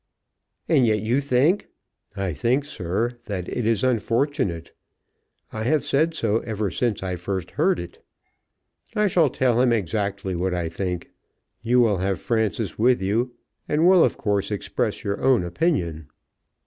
"And yet you think ?" "I think, sir, that it is unfortunate. I have said so ever since I first heard it. I shall tell him exactly what I think. You will have Frances with you, and will of course express your own opinion."